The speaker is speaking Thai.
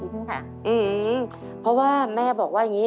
เพราะว่าแม่บอกว่าอย่างนี้